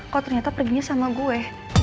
kok ternyata perginya sama gue